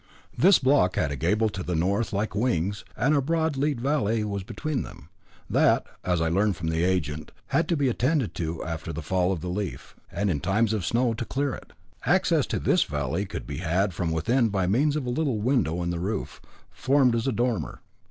This block had a gable to the north like the wings, and a broad lead valley was between them, that, as I learned from the agent, had to be attended to after the fall of the leaf, and in times of snow, to clear it. Access to this valley could be had from within by means of a little window in the roof, formed as a dormer.